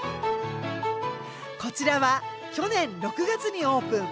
こちらは去年６月にオープン。